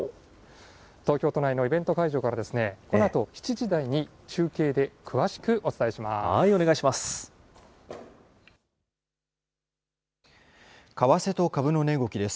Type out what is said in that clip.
東京都内のイベント会場から、このあと７時台に中継で詳しくお伝えします。